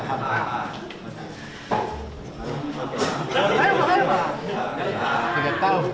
tapi waktu itu bisa baca dong